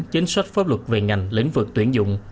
chính sách pháp luật về ngành lĩnh vực tuyển dụng